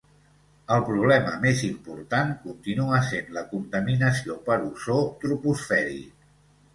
El problema més important continua sent la contaminació per ozó troposfèric.